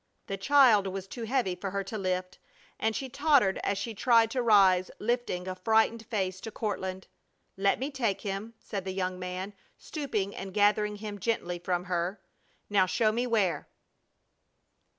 The child was too heavy for her to lift, and she tottered as she tried to rise, lifting a frightened face to Courtland. "Let me take him," said the young man, stooping and gathering him gently from her. "Now show me where!"